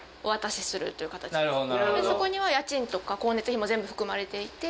そこには家賃とか光熱費も全部含まれていて。